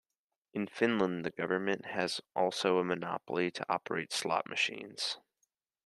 In Finland, the government has also a monopoly to operate slot machines.